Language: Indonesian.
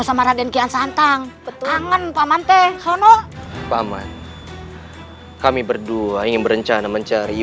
sama raden kian santang betul angan pamante sono paman kami berdua ingin berencana mencari